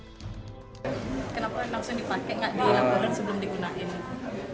kenapa langsung dipakai tidak dianggur sebelum digunakan